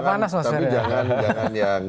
tapi jangan yang